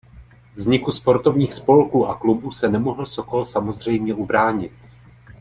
Vzniku sportovních spolků a klubů se nemohl Sokol samozřejmě ubránit.